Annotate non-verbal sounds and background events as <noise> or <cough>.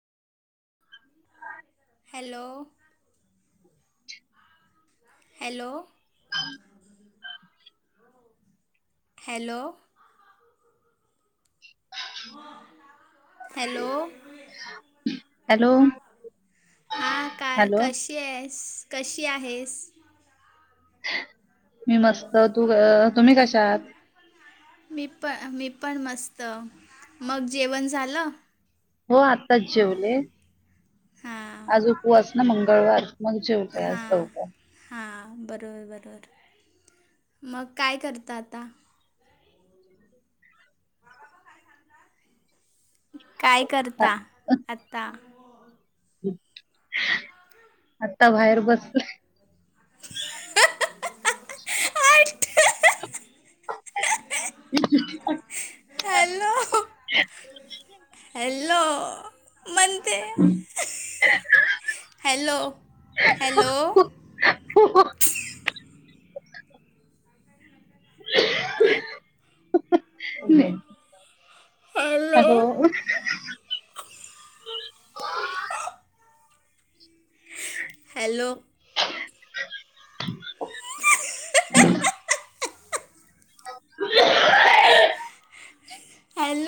Hello. Hello. Hello. <inaudible> Hello hello -हा काय hello कशी? <unintelligible> कशी आहेस मी मस्त तू-अ तुम्ही कशा आहात. मी प -मी पण मस्त मग जेवण झालं. हो आत्ताच हां जेवले-आज उपवास ना मंगळवार मग जेवले आज लवकर. हा बरोबर बरोबर मग काय करता आता काय करता आ- आता <inaudible> आता बाहेर बसल. <inaudible> <inaudible> <inaudible> हॅलो. <inaudible> हॅलो? म्हणते हॅलो हॅलो. हो. <unintelligible> नाही. हॅलो? <inaudible> हॅलो. <unintelligible> <unintelligible> <unintelligible>